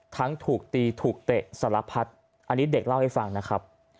ทั้งถูกตีถูกเตะสารพัดอันนี้เด็กเล่าให้ฟังนะครับ